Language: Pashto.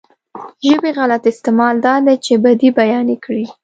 ژبې غلط استعمال دا دی چې بدۍ بيانې کړي.